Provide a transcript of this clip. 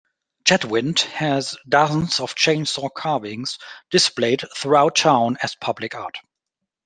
Chetwynd has dozens of chainsaw carvings displayed throughout town as public art.